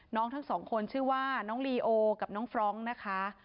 ทั้งสองคนชื่อว่าน้องลีโอกับน้องฟรองก์นะคะ